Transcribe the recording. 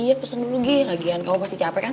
iya pesen dulu gi ragian kamu pasti capek kan